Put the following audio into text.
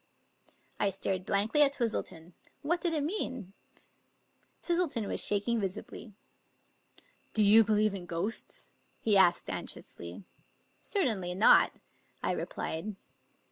I stared blankly at Twistleton. What did it mean? Twistleton was shaking visibly. "Do you believe in ghosts?" he asked anxiously. " Certainly not," I replied.